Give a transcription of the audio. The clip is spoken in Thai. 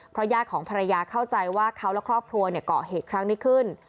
ญาติของภรรยาเข้าใจว่าเขาและครอบครัวเกาะเหตุครั้งนี้ขึ้น